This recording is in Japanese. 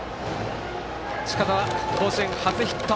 近澤、甲子園初ヒット。